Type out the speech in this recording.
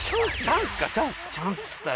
チャンスかチャンス。